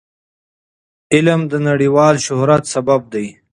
علم د نړیوال شهرت سبب دی.